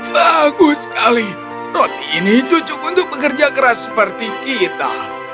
bagus sekali roti ini cocok untuk pekerja keras seperti kita